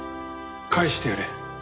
帰してやれ。